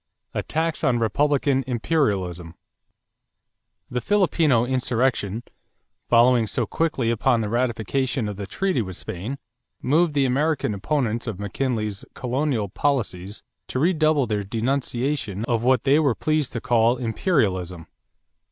=Attacks on Republican "Imperialism."= The Filipino insurrection, following so quickly upon the ratification of the treaty with Spain, moved the American opponents of McKinley's colonial policies to redouble their denunciation of what they were pleased to call "imperialism."